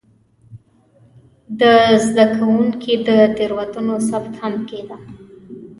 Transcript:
د زده کوونکو د تېروتنو ثبت هم کېده.